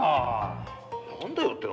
何だよ。